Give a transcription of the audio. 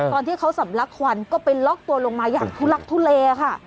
ตอนที่เขาสำลักควันก็ไปล็อกตัวลงมาอย่างทุลักทุเลค่ะ